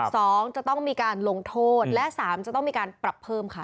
สองจะต้องมีการลงโทษและสามจะต้องมีการปรับเพิ่มค่ะ